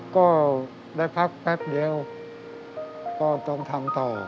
ก็ได้พักแป๊บเดียวก็ต้องทำต่อ